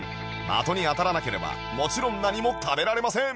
的に当たらなければもちろん何も食べられません